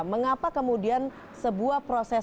mengapa kemudian sebuah proses